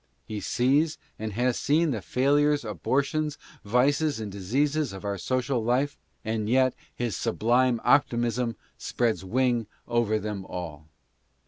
He sees and has seen the failures, abortions, vices and diseases of our social life, and yet his sublime optimism spreads wing over them all.